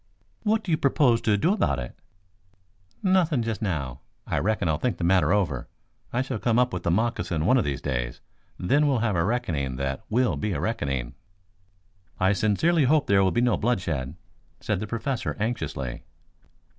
"What do you propose to do about it?" "Nothing just now. I reckon I'll think the matter over. I shall come up with the moccasin one of these days, then we'll have a reckoning that will be a reckoning." "I sincerely hope there will be no bloodshed," said the Professor anxiously.